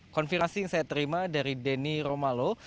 konfirmasi yang saya terima dari denny romalo